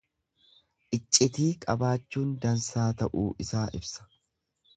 Iccitii qabachuun dansaa ta'uu isaa ibsa.